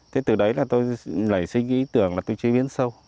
thế từ đấy là tôi lại suy nghĩ tưởng là tôi chế biến sâu